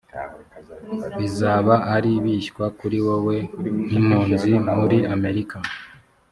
bizaba ari bishya kuri wowe nk impunzi muri amerika